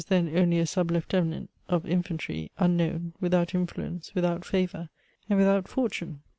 then only a sub lieutenant of infantry, unknown, without influence, without favour, and without fortune